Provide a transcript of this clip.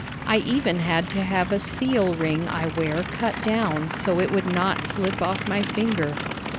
I even had to have a seal ring I wear cut down so it would not slip off my finger.